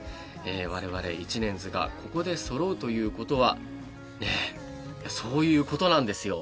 我々１年ズがココでそろうということはねっそういうことなんですよ。